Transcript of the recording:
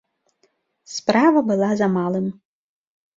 Справа была за малым.